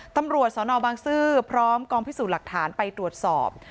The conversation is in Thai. ตำรวจสนบางซื่อพร้อมกองพิสูจน์หลักฐานไปตรวจสอบ